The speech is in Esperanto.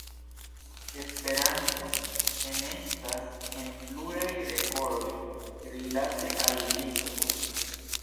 Esperanto enestas en pluraj rekordoj rilate al lingvoj.